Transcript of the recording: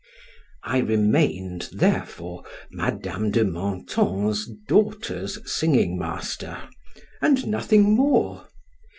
I remained, therefore, Madam de Menthon's daughter's singing master, and nothing more!